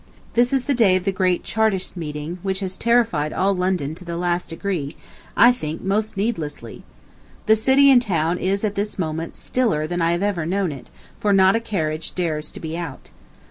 This is the day of the "Great Chartist Meeting," which has terrified all London to the last degree, I think most needlessly. The city and town is at this moment stiller than I have ever known it, for not a carriage dares to be out.